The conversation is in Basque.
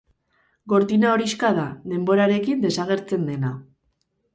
Gortina horixka da, denborarekin desagertzen dena.